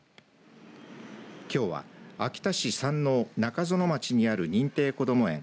きょうは秋田市山王中園町にある認定こども園